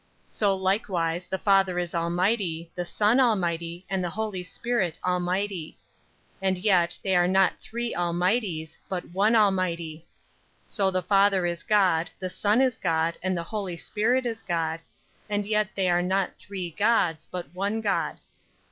13. So likewise the Father is almighty, the Son almighty, and the Holy Spirit almighty. 14. And yet they are not three almighties, but one almighty. 15. So the Father is God, the Son is God, and the Holy Spirit is God; 16. And yet they are not three Gods, but one God.